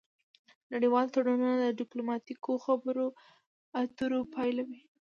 نړیوال تړونونه د ډیپلوماتیکو خبرو اترو پایله وي